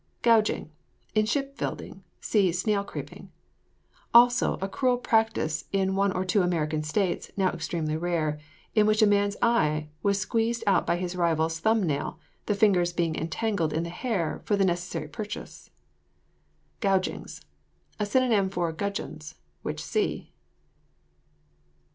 GOUGING. In ship building (see SNAIL CREEPING). Also, a cruel practice in one or two American states, now extremely rare, in which a man's eye was squeezed out by his rival's thumb nail, the fingers being entangled in the hair for the necessary purchase. GOUGINGS. A synonym of gudgeons (which see).